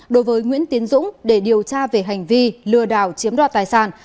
đối với nguyễn tiến dũng để điều tra về hành vi lừa đảo chiếm đoạt tài sản